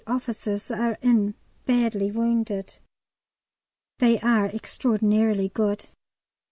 officers are in badly wounded. They are extraordinarily good.